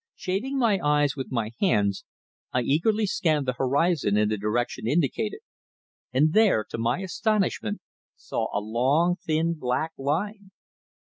Shading my eyes with my hands I eagerly scanned the horizon in the direction indicated, and there, to my astonishment, saw a long thin black line.